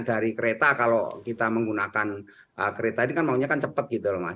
dari kereta kalau kita menggunakan kereta ini kan maunya kan cepat gitu loh mas